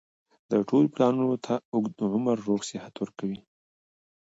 د ټولو پلانونو ته اوږد عمر د روغ صحت ورکړي